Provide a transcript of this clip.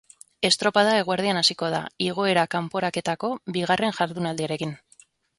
Estropada eguerdian hasiko da, igoera kanporaketako bigarren jardunaldiarekin.